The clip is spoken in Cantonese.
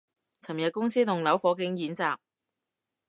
尋日公司棟樓火警演習